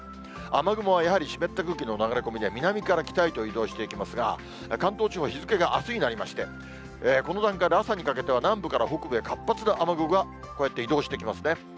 雨雲はやはり湿った空気の流れ込みで、南から北へと移動していきますが、関東地方、日付があすになりまして、この段階で、朝にかけては南部から北部へ活発な雨雲が、こうやって移動してきますね。